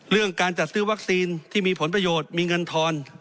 การจัดซื้อวัคซีนที่มีผลประโยชน์มีเงินทอน